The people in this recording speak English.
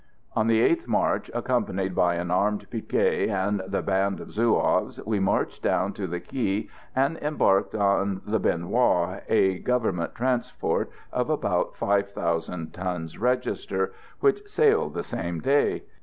On the 8th March, accompanied by an armed picquet and the band of the Zouaves, we marched down to the quay and embarked on the Bien Hoa, a government transport of about 5,000 tons register, which sailed the same day.